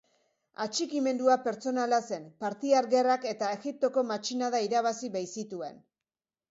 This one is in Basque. Atxikimendua pertsonala zen partiar gerrak eta Egiptoko matxinada irabazi baitzituen.